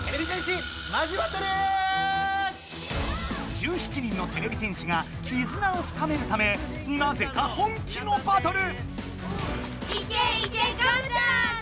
１７人のてれび戦士がきずなをふかめるためなぜか本気のバトル！